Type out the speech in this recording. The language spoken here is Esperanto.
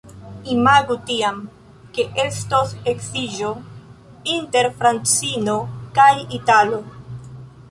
Imagu tiam, ke estos edziĝo inter francino kaj italo.